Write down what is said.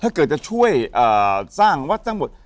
ถ้าเกิดจะช่วยสร้างวัดทั้งหมด